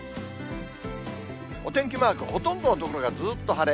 お天気マーク、ほとんどの所がずっと晴れ。